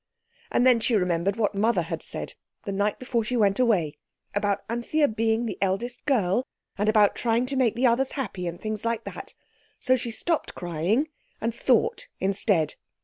And then she remembered what Mother had said, the night before she went away, about Anthea being the eldest girl, and about trying to make the others happy, and things like that. So she stopped crying, and thought instead.